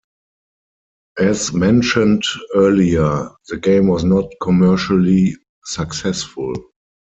As mentioned earlier, the game was not commercially successful.